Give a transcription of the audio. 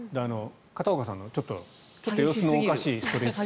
片岡さんの、ちょっと様子のおかしいストレッチは。